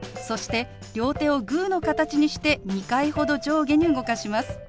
そして両手をグーの形にして２回ほど上下に動かします。